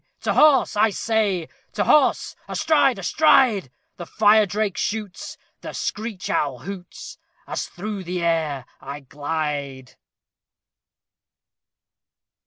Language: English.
To horse! I say, To horse! astride! astride! The fire drake shoots The screech owl hoots As through the air I glide!